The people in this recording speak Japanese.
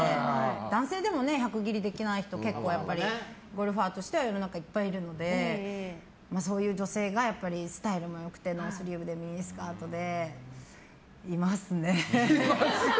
男性でも１００切りできない人結構ゴルファーとしては世の中いっぱいいるのでそういう女性がやっぱりスタイルも良くてノースリーブでミニスカートでいますね。